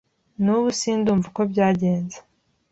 Nubu sindumva uko byagenze.